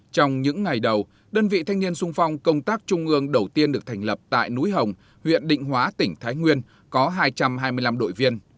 trong những ngày đầu đơn vị thanh niên sung phong công tác trung ương đầu tiên được thành lập tại núi hồng huyện định hóa tỉnh thái nguyên có hai trăm hai mươi năm đội viên